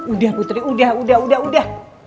udah putri udah udah udah udah